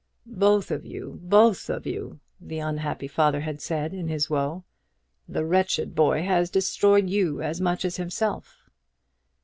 "Both of you! Both of you!" the unhappy father had said in his woe. "The wretched boy has destroyed you as much as himself!"